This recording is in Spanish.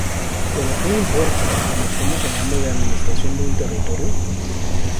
Pero que importa, cuando estamos hablando de administración de un territorio?